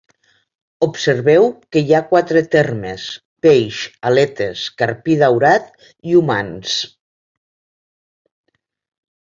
Observeu que hi ha quatre termes: "peix", "aletes", "carpí daurat" i "humans".